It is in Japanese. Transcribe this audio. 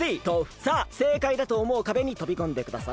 さあせいかいだとおもうかべにとびこんでください！